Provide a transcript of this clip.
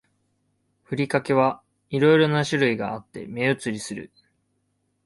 ふりかけは色んな種類があって目移りする